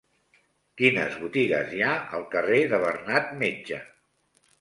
Quines botigues hi ha al carrer de Bernat Metge?